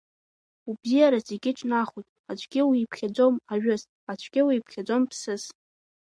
Убзиазар зегьы ҿнахуеит, аӡәгьы уиԥхьаӡом ажәыс, аӡәгьы уиԥхьаӡом ԥсыс!